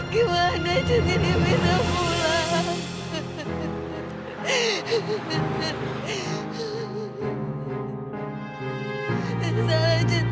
gimana jadi kita pulang